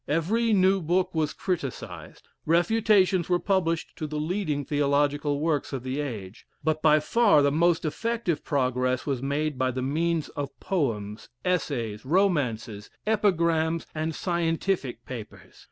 Every new book was criticised refutations were published to the leading theological works of the age; but by far the roost effective progress was made by the means of poems, essays, romances, epigrams, and scientific papers.